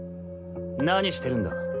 何してるんだ？